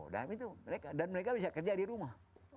dan mereka bisa kerja di rumah